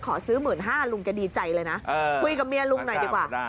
ขอซื้อหมื่นห้าลุงก็ดีใจเลยนะเออคุยกับเมียลุงหน่อยดีกว่า